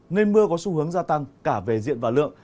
nên mưa có xu hướng gia tăng cả về diện và lượng